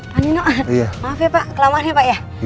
pak nino maaf ya pak kelamaan ya pak ya